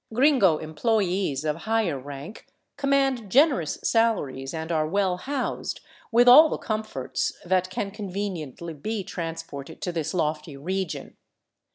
Gringo employees of higher rank command generous salaries and are well housed, with all the comforts that can conveniently be trans ported to this lofty region.